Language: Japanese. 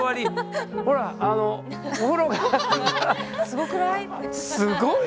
すごくない？